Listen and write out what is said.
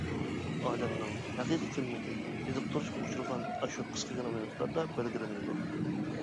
ئادەمنىڭ ھەقىقىي قىممىتى ئېزىقتۇرۇشقا ئۇچرىغان ئاشۇ قىسقىغىنە مىنۇتلاردا بەلگىلىنىدۇ.